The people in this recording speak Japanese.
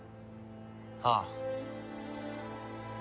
ああ。